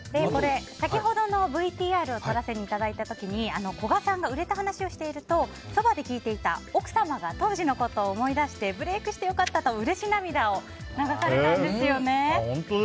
先ほどのＶＴＲを撮らせていただいた時にこがさんが売れた話をしているとそばで聞いていた奥様が当時のことを思い出してブレークしてよかったとうれし涙を流されたんですよね。